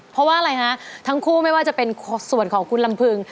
เพราะว่าอะไรฮะทั้งคู่ไม่ว่าจะเป็นส่วนของคุณลำพึง